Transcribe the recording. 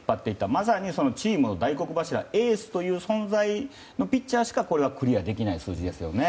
まさに、チームの大黒柱エースの存在のピッチャーしかこれはクリアできない数字ですよね。